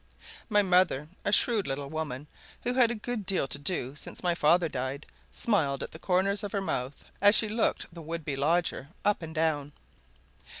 My mother, a shrewd little woman, who had had a good deal to do since my father died, smiled at the corners of her mouth as she looked the would be lodger up and down.